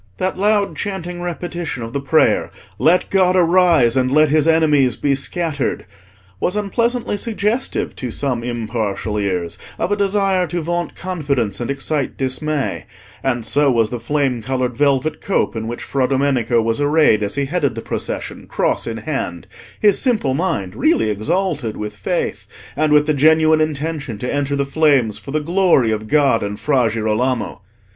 That loud chanting repetition of the prayer, "Let God arise, and let His enemies be scattered," was unpleasantly suggestive to some impartial ears of a desire to vaunt confidence and excite dismay; and so was the flame coloured velvet cope in which Fra Domenico was arrayed as he headed the procession, cross in hand, his simple mind really exalted with faith, and with the genuine intention to enter the flames for the glory of God and Fra Girolamo.